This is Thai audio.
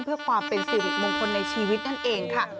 เพื่อความเป็นสิริมงคลในชีวิตนั่นเองค่ะ